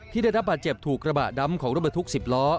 ได้รับบาดเจ็บถูกกระบะดำของรถบรรทุก๑๐ล้อ